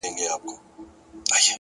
• کشپ ولیدل له پاسه شنه کښتونه ,